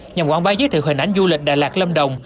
nhằm quảng bá giới thiệu hình ảnh du lịch đà lạt lâm đồng